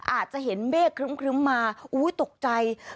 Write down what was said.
อาจจะเห็นเมฆครึ้มมาตกใจ